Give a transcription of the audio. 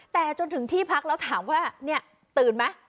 แต่จนถึงที่พักแล้วถามว่าเนี่ยตื่นไหม